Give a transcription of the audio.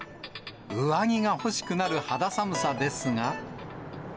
上着が欲しくなる肌寒さですが。